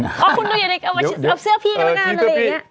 อ๊ะคุณดูอยู่ในซื้อพี่กันปล่อย